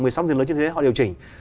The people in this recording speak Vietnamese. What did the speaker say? người sống trên thế giới họ điều chỉnh